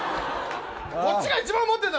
こっちが一番思ってるんだ！